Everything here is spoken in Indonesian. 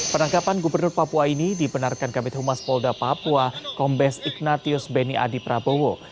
penangkapan gubernur papua ini dipenarkan kabinet humas polda papua kombes ignatius beni adiprabowo